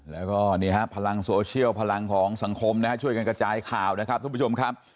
แล้วก็นี่ฮะพลังโซเชียลพลังของสังคมนะฮะช่วยกันกระจายข่าวนะครับทุกผู้ชมครับ